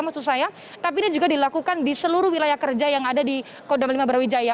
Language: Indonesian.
maksud saya tapi ini juga dilakukan di seluruh wilayah kerja yang ada di kodam lima brawijaya